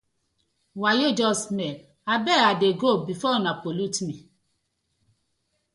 Wayo just smell, I beg I dey go befor una pollute mi.